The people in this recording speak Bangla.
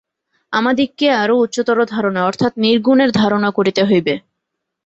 আমাদিগকে আরও উচ্চতর ধারণা অর্থাৎ নির্গুণের ধারণা করিতে হইবে।